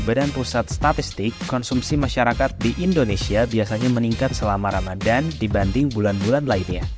badan pusat statistik konsumsi masyarakat di indonesia biasanya meningkat selama ramadan dibanding bulan bulan lainnya